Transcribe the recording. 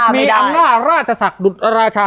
มีอังหน้าราชศักดุรัชา